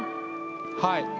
はい。